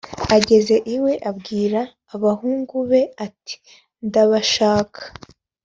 ageze iwe abwira abahungu be ati:ndabashaka